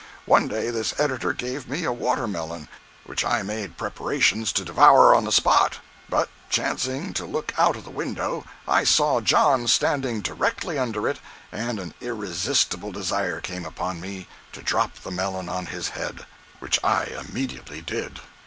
One day this editor gave me a watermelon which I made preparations to devour on the spot, but chancing to look out of the window, I saw John standing directly under it and an irresistible desire came upon me to drop the melon on his head, which I immediately did.